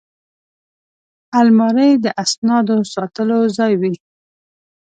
الماري د اسنادو ساتلو ځای وي